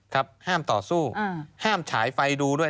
ครับห้ามต่อสู้ห้ามฉายไฟดูด้วย